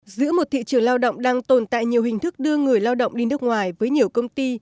giữa một thị trường lao động đang tồn tại nhiều hình thức đưa người lao động đi nước ngoài với nhiều công ty